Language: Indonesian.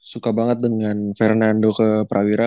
suka banget dengan fernando ke prawira